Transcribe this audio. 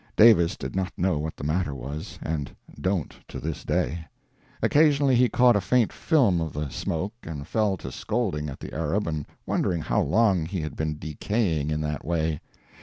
Davis did not know what the matter was, and don't to this day. Occasionally he caught a faint film of the smoke and fell to scolding at the Arab and wondering how long he had been decaying in that way.